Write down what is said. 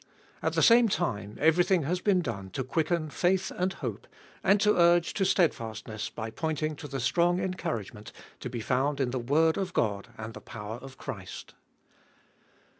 At the same time, every thing has been done to quicken faith and hope, and to urge to steadfastness by pointing to the strong encouragement to be found in the word of God and the power of Christ.